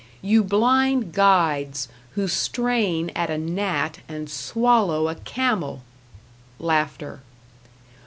You blind guides, who strain at a gnat and swallow a camel!